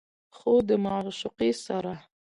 خو د معشوقې سره